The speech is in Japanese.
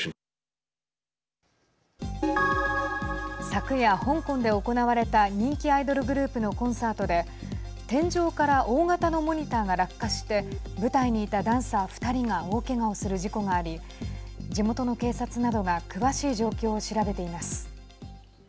昨夜、香港で行われた人気アイドルグループのコンサートで天井から大型のモニターが落下して舞台にいたダンサー２人が大けがをする事故があり地元の警察などが詳しい状況を調べています。